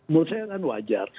menurut saya kan wajar